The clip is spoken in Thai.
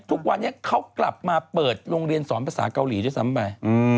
ทุกวันนี้เขากลับมาเปิดโรงเรียนสอนภาษาเกาหลีด้วยซ้ำไป